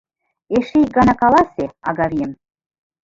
Эше ик гана каласе, Агавием?..